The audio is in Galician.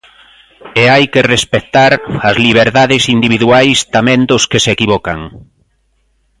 E hai que respectar as liberdades individuais tamén dos que se equivocan.